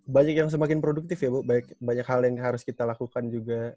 banyak yang semakin produktif ya bu banyak hal yang harus kita lakukan juga